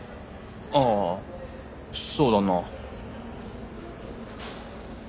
ああそうだなあ。